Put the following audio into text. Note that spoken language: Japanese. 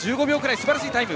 すばらしいタイム。